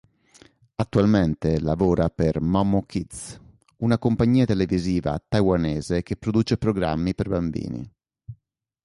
Attualmente lavora per "Momo Kids", una compagnia televisiva taiwanese che produce programmi per bambini.